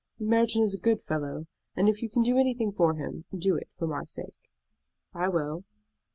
"Merton is a good fellow; and if you can do anything for him, do it for my sake." "I will."